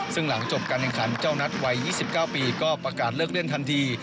ซึ่งหลังจบการแข่งขันเจ้านัดวัย๒๙ปีก็ประกาศเลิกเล่นทันที